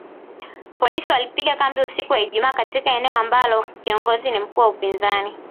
Polisi walipiga kambi usiku wa Ijumaa katika eneo ambalo kiongozi ni mkuu wa upinzani